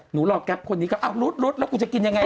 หนูรอดกับคนนี้อ้าวหลุดแล้วกูจะกินยังไง